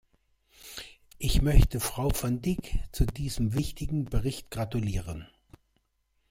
Ich möchte Frau Van Dijk zu diesem wichtigen Bericht gratulieren.